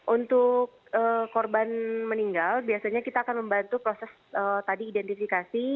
untuk korban meninggal biasanya kita akan membantu proses tadi identifikasi